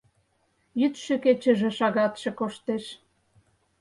Йӱдшӧ-кечыже шагатше коштеш